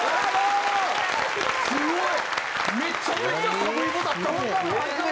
すごい！